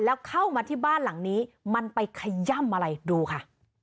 แล้วเข้ามาที่บ้านหลังนี้มันไปขย่ำอะไรดูค่ะ